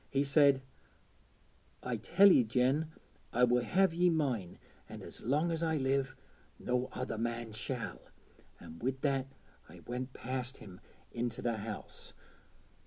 He said, "I tell ye, Jen, I will have ye mine, an' as long as I live no other man shall," an' wi' that I went past him into the house.'